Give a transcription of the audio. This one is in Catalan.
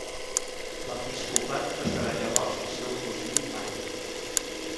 L'episcopat passarà llavors al seu cosí Mallen.